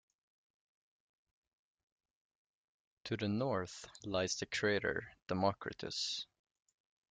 To the north lies the crater Democritus.